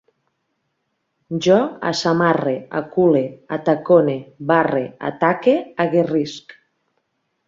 Jo assamarre, acule, atacone, barre, ataque, aguerrisc